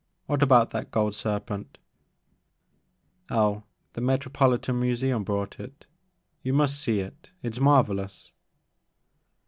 What about that gold serpent ?"Oh, the Metropolitan Museum bought it ; you must see it, it 's marvellous."